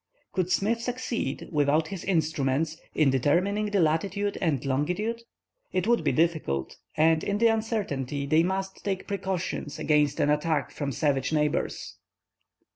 Could Smith succeed, without his instruments, in determining its latitude and longitude? It would be difficult, and in the uncertainty, they must take precautions against an attack from savage neighbors.